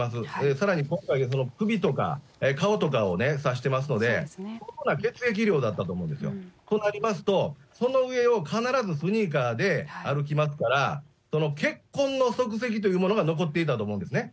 さらに今回は首とか顔とかを刺してますので、相当な血液量だったと思うんですよ。となりますと、その上を必ずスニーカーで歩きますから、その血痕の足跡というものが残っていたと思うんですね。